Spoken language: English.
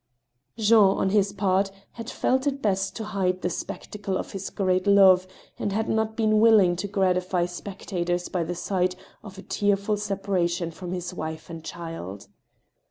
Jean, on his part, had felt it best to hide the spectacle of his great love, and had not been willing to gfratify spectators by the sight of a tearful separation from his wife and child.